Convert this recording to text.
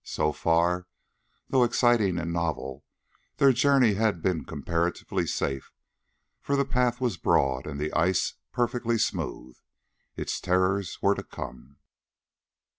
So far, though exciting and novel, their journey had been comparatively safe, for the path was broad and the ice perfectly smooth. Its terrors were to come.